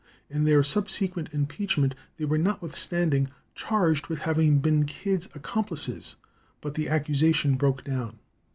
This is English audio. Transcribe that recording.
In their subsequent impeachment they were, notwithstanding, charged with having been Kidd's accomplices, but the accusation broke down.